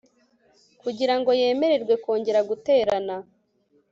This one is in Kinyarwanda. kugira ngo yemererwe kongera guterana